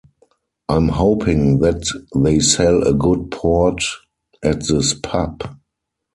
I'm hoping that they sell a good port at this pub.